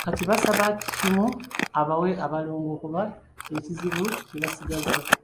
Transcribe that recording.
Kati basaba kimu abawe abalongo kuba kye kizibu kye basigazza.